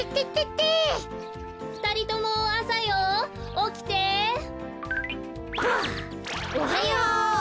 おはよう！